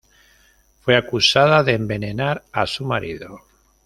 Fue acusada de envenenar a su marido.